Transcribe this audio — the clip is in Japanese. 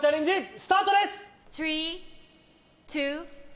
スタートです！